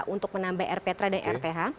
untuk menambah air petra dan rth